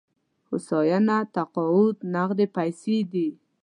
هوساینه تقاعد نغدې پيسې دي.